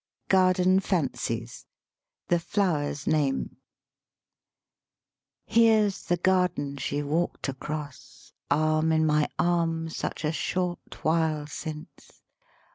GARDEN FANCIES THE FLOWER'S NAME I Here's the garden she walked across, Arm in my arm, such a short while since.